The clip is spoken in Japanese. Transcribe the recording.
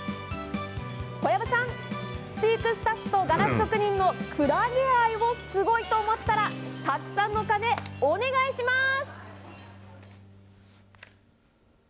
小籔さん、飼育スタッフとガラス職人のクラゲ愛をすごいと思ったら、たくさんの鐘、お願いします。